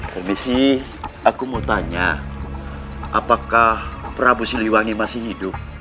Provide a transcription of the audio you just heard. permisi aku mau tanya apakah prabu siliwangi masih hidup